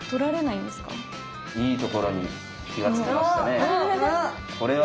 いいところに気が付きましたね。